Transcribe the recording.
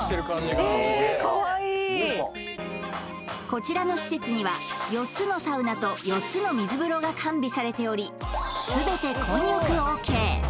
こちらの施設には４つのサウナと４つの水風呂が完備されておりすべて混浴ＯＫ！